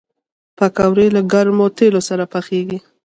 پکورې له ګرم تیلو سره پخېږي